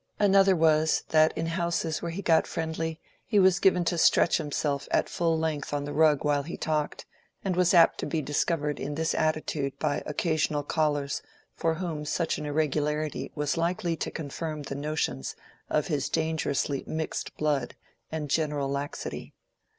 Another was, that in houses where he got friendly, he was given to stretch himself at full length on the rug while he talked, and was apt to be discovered in this attitude by occasional callers for whom such an irregularity was likely to confirm the notions of his dangerously mixed blood and general laxity.